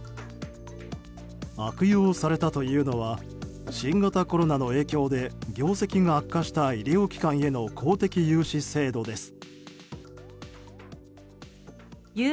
悪用されたというのは新型コロナの影響で業績が悪化した医療機関への公的融資制度です。